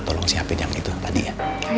tolong siapin yang itu yang tadi ya